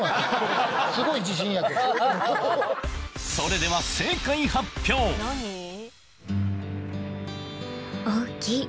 それでは大きい。